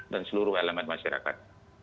dan seluruh elemen masyarakat